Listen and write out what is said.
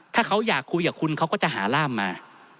ถ้าเขาอยากคุยกับคุณเขาก็จะหาร่ามมา